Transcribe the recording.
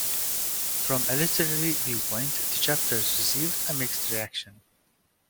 From a literary viewpoint the chapters received a mixed reaction.